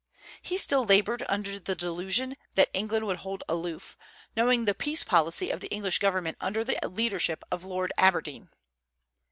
He still labored under the delusion that England would hold aloof, knowing the peace policy of the English government under the leadership of Lord Aberdeen.